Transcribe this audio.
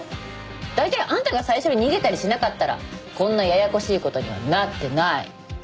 大体あんたが最初に逃げたりしなかったらこんなややこしい事にはなってない！